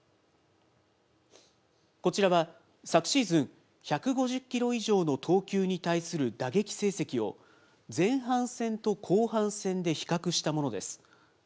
こちらは昨シーズン、１５０キロ以上の投球に対する打撃成績を前半戦と後半戦で比較したものです。